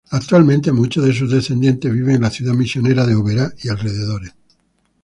Actualmente, muchos de sus descendientes viven en la ciudad misionera de Oberá y alrededores.